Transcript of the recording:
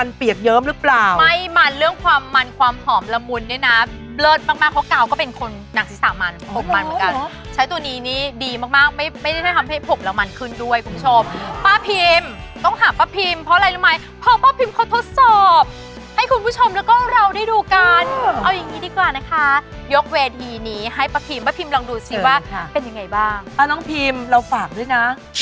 เนี่ยน่ะเลิศมากมากเพราะกาวก็เป็นคนหนังศีรษะมันผมมันเหมือนกันใช้ตัวนี้นี่ดีมากมากไม่ไม่ได้ทำให้ผมระมันขึ้นด้วยคุณผู้ชมป้าพิมต้องถามป้าพิมเพราะอะไรแล้วไหมเพราะป้าพิมเขาทดสอบให้คุณผู้ชมแล้วก็เราได้ดูกันเอาอย่างงี้ดีกว่านะคะยกเวทีนี้ให้ป้าพิมป้าพิมลองดูสิว่าเป็นยังไงบ้างป้าน